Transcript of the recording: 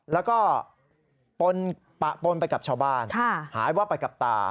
แล้วก็ปะปนไปกับชาวบ้านหายว่าไปกับตา